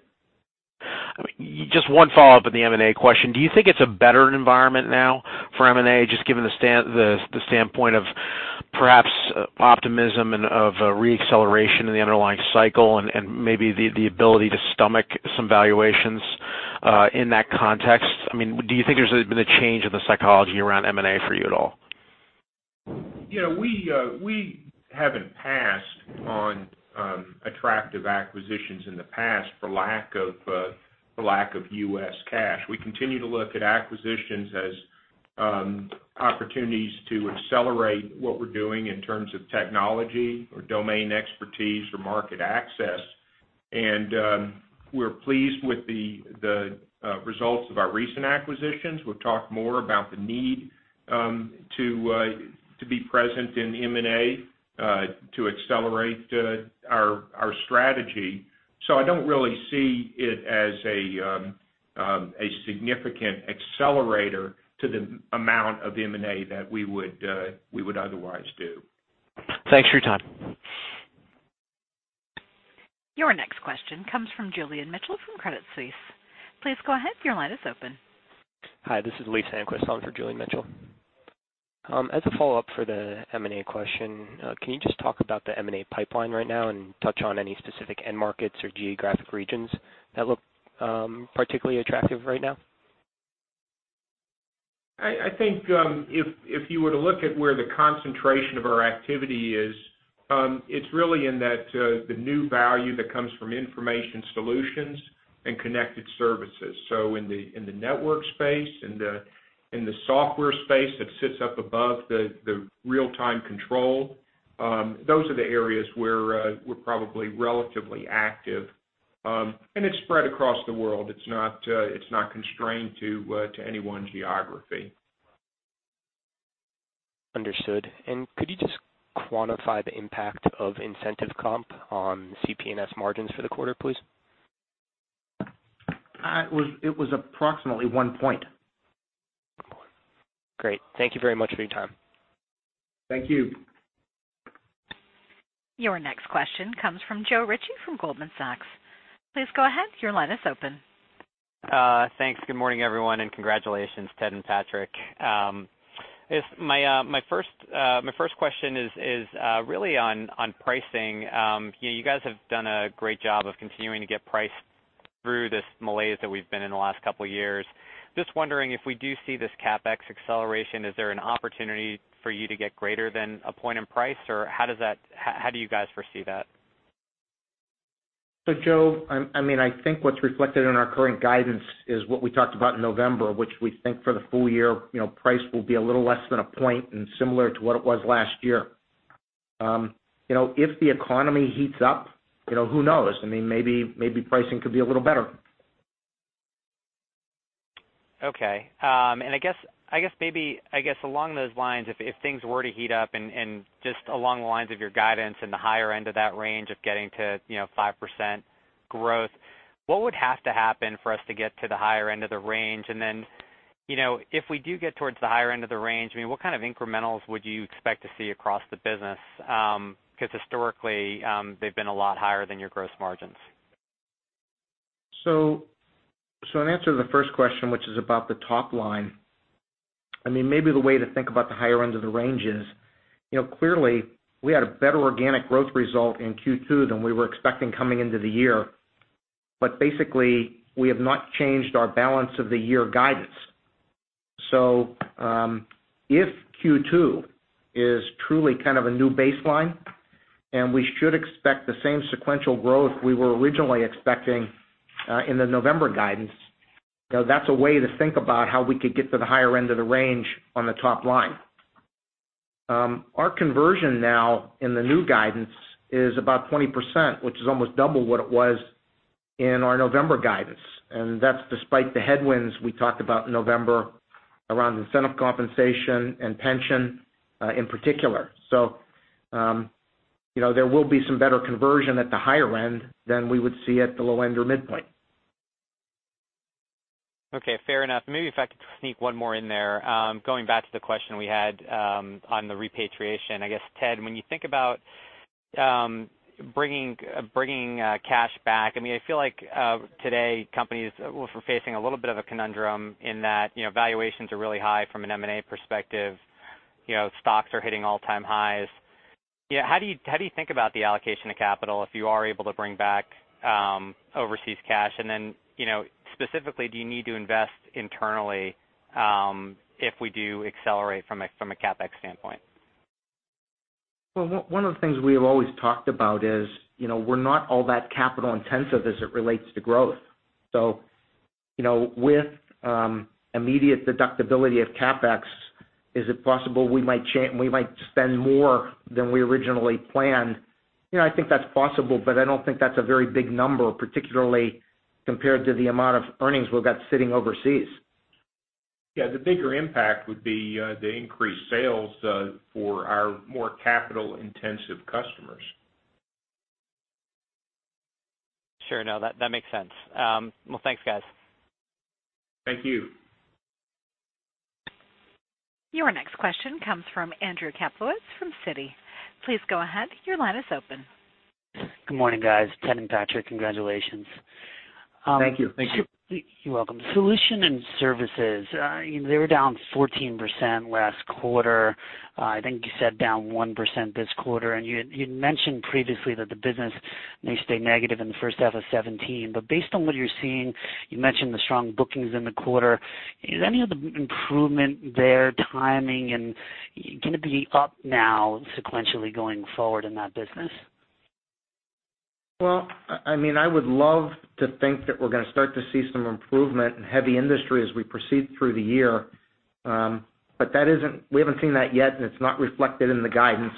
Just one follow-up on the M&A question. Do you think it's a better environment now for M&A, just given the standpoint of perhaps optimism and of a re-acceleration in the underlying cycle and maybe the ability to stomach some valuations in that context? Do you think there's been a change in the psychology around M&A for you at all? We haven't passed on attractive acquisitions in the past for lack of U.S. cash. We continue to look at acquisitions as opportunities to accelerate what we're doing in terms of technology or domain expertise or market access. We're pleased with the results of our recent acquisitions. We'll talk more about the need to be present in M&A to accelerate our strategy. I don't really see it as a significant accelerator to the amount of M&A that we would otherwise do. Thanks for your time. Your next question comes from Julian Mitchell from Credit Suisse. Please go ahead. Your line is open. Hi, this is Lee Sandquist on for Julian Mitchell. As a follow-up for the M&A question, can you just talk about the M&A pipeline right now and touch on any specific end markets or geographic regions that look particularly attractive right now? I think if you were to look at where the concentration of our activity is, it's really in the new value that comes from information solutions and connected services. In the network space, in the software space that sits up above the real-time control, those are the areas where we're probably relatively active. It's spread across the world. It's not constrained to any one geography. Understood. Could you just quantify the impact of incentive comp on CP&S margins for the quarter, please? It was approximately one point. Great. Thank you very much for your time. Thank you. Your next question comes from Joe Ritchie from Goldman Sachs. Please go ahead. Your line is open. Thanks. Good morning, everyone, and congratulations, Ted and Patrick. My first question is really on pricing. You guys have done a great job of continuing to get price through this malaise that we've been in the last couple of years. Just wondering if we do see this CapEx acceleration, is there an opportunity for you to get greater than one point in price, or how do you guys foresee that? Joe, I think what's reflected in our current guidance is what we talked about in November, which we think for the full year, price will be a little less than one point and similar to what it was last year. If the economy heats up, who knows? Maybe pricing could be a little better. Okay. I guess along those lines, if things were to heat up and just along the lines of your guidance in the higher end of that range of getting to 5% growth, what would have to happen for us to get to the higher end of the range? If we do get towards the higher end of the range, what kind of incrementals would you expect to see across the business? Because historically, they've been a lot higher than your gross margins. In answer to the first question, which is about the top line, maybe the way to think about the higher end of the range is clearly we had a better organic growth result in Q2 than we were expecting coming into the year. Basically, we have not changed our balance of the year guidance. If Q2 is truly kind of a new baseline and we should expect the same sequential growth we were originally expecting in the November guidance, that's a way to think about how we could get to the higher end of the range on the top line. Our conversion now in the new guidance is about 20%, which is almost double what it was in our November guidance, and that's despite the headwinds we talked about in November around incentive compensation and pension in particular. There will be some better conversion at the higher end than we would see at the low end or midpoint. Okay, fair enough. Maybe if I could sneak one more in there, going back to the question we had on the repatriation. I guess, Ted, when you think about bringing cash back, I feel like today companies are facing a little bit of a conundrum in that valuations are really high from an M&A perspective. Stocks are hitting all-time highs. How do you think about the allocation of capital if you are able to bring back overseas cash? Then specifically, do you need to invest internally if we do accelerate from a CapEx standpoint? Well, one of the things we have always talked about is, we're not all that capital intensive as it relates to growth. With immediate deductibility of CapEx, is it possible we might spend more than we originally planned? I think that's possible, but I don't think that's a very big number, particularly compared to the amount of earnings we've got sitting overseas. Yeah. The bigger impact would be the increased sales for our more capital-intensive customers. Sure. No, that makes sense. Well, thanks guys. Thank you. Your next question comes from Andrew Kaplowitz from Citi. Please go ahead, your line is open. Good morning, guys. Ted and Patrick, congratulations. Thank you. Thank you. You're welcome. Solutions and Services, they were down 14% last quarter. I think you said down 1% this quarter, and you'd mentioned previously that the business may stay negative in the first half of 2017. Based on what you're seeing, you mentioned the strong bookings in the quarter. Is any of the improvement there timing, and can it be up now sequentially going forward in that business? Well, I would love to think that we're going to start to see some improvement in heavy industry as we proceed through the year. We haven't seen that yet, and it's not reflected in the guidance.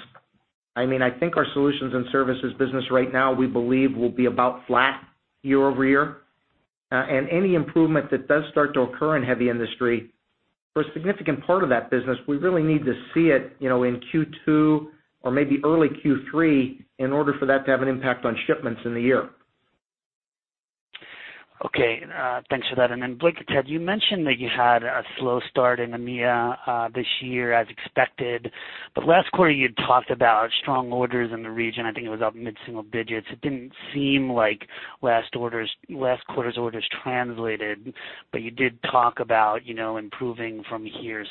I think our Solutions and Services business right now, we believe will be about flat year-over-year. Any improvement that does start to occur in heavy industry, for a significant part of that business, we really need to see it in Q2 or maybe early Q3 in order for that to have an impact on shipments in the year. Okay. Thanks for that. Blake or Ted, you mentioned that you had a slow start in EMEA this year as expected. Last quarter you had talked about strong orders in the region, I think it was up mid-single digits. It didn't seem like last quarter's orders translated, but you did talk about improving from here.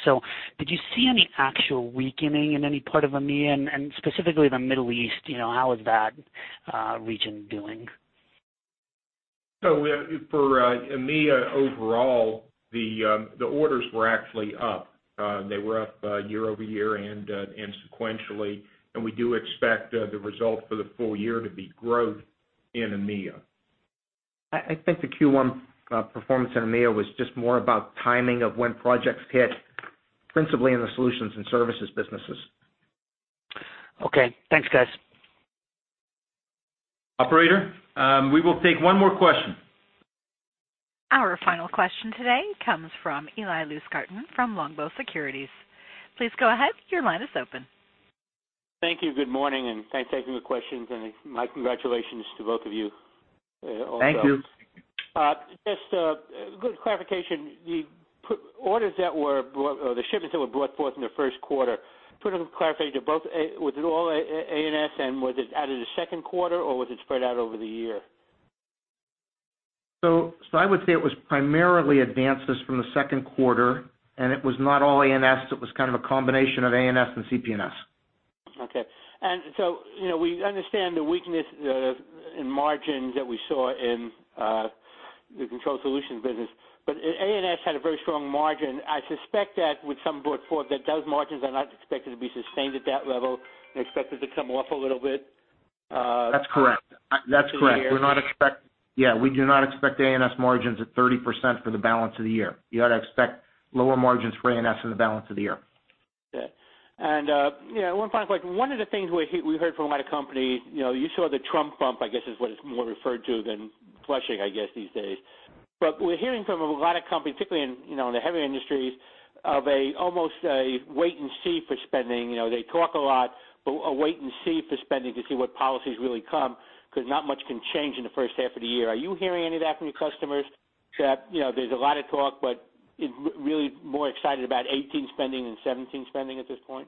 Did you see any actual weakening in any part of EMEA, and specifically the Middle East, how is that region doing? For EMEA overall, the orders were actually up. They were up year-over-year and sequentially, and we do expect the result for the full year to be growth in EMEA. I think the Q1 performance in EMEA was just more about timing of when projects hit, principally in the Solutions and Services businesses. Okay. Thanks, guys. Operator, we will take one more question. Our final question today comes from Eli Lustgarten from Longbow Research. Please go ahead, your line is open. Thank you. Good morning, and thanks for taking the questions, and my congratulations to both of you also. Thank you. Thank you. Just a good clarification. The shipments that were brought forth in the first quarter, to clarify, was it all A&S, and was it added in the second quarter, or was it spread out over the year? I would say it was primarily advances from the second quarter, and it was not all A&S, it was kind of a combination of A&S and CP&S. Okay. We understand the weakness in margins that we saw in the Control Solutions business, but A&S had a very strong margin. I suspect that with some brought forth that those margins are not expected to be sustained at that level and expected to come off a little bit. That's correct. We do not expect A&S margins at 30% for the balance of the year. You ought to expect lower margins for A&S for the balance of the year. Okay. One final point. One of the things we heard from a lot of companies, you saw the Trump bump, I guess is what it's more referred to than flushing, I guess, these days. We're hearing from a lot of companies, particularly in the heavy industries, of almost a wait and see for spending. They talk a lot, but a wait and see for spending to see what policies really come, because not much can change in the first half of the year. Are you hearing any of that from your customers, Pat? There's a lot of talk, but really more excited about 2018 spending than 2017 spending at this point?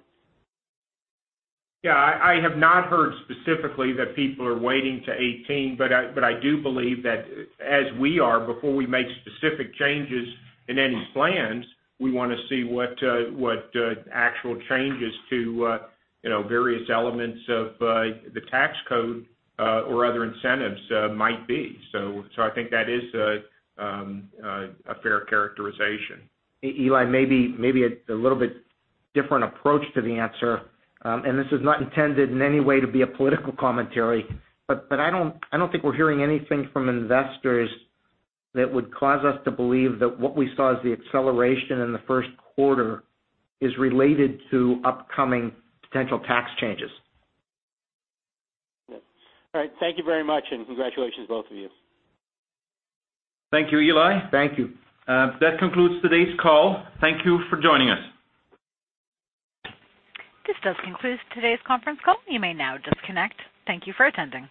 Yeah. I have not heard specifically that people are waiting to 2018, but I do believe that as we are, before we make specific changes in any plans, we want to see what actual changes to various elements of the tax code or other incentives might be. I think that is a fair characterization. Eli, maybe a little bit different approach to the answer, this is not intended in any way to be a political commentary. I don't think we're hearing anything from investors that would cause us to believe that what we saw as the acceleration in the first quarter is related to upcoming potential tax changes. Okay. All right. Thank you very much, and congratulations both of you. Thank you, Eli. Thank you. That concludes today's call. Thank you for joining us. This does conclude today's conference call. You may now disconnect. Thank you for attending.